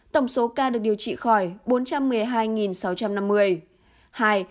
tổng số ca được điều trị khỏi bốn trăm một mươi hai sáu trăm năm mươi